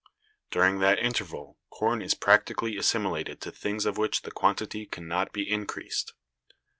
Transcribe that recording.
During that interval, corn is practically assimilated to things of which the quantity can not be increased.